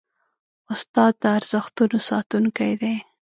استاد د ارزښتونو ساتونکی دی.